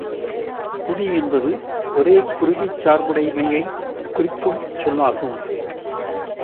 குடி என்பது ஒரே குருதிச் சார்புடைமையைக் குறிக்கும் சொல்லாகும்.